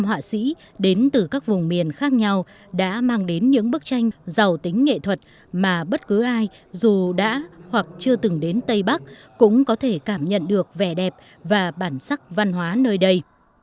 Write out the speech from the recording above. năm họa sĩ đến từ các vùng miền khác nhau đã mang đến những bức tranh giàu tính nghệ thuật mà bất cứ ai dù đã hoặc chưa từng đến tây bắc cũng có thể cảm nhận được vẻ đẹp và bản sắc văn hóa nơi đây